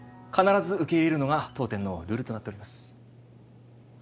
必ず受け入れるのが当店のルールとなっております。